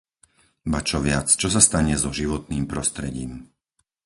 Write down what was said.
Ba čo viac, čo sa stane so životným prostredím?